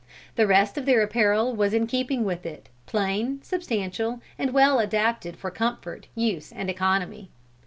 The rest of their apparel was in keeping with it, plain, substantial and well adapted for comfort, use and economy.